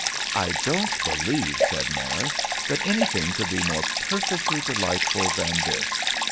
"I don't believe," said Morris, "that anything could be more perfectly delightful than this.